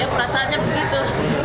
ya perasanya begitu